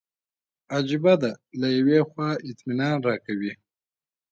عجیبه ده له یوې خوا اطمینان راکوي.